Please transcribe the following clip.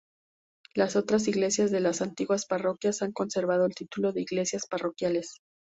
Las otras iglesias de las antiguas parroquias han conservado el título de iglesias parroquiales.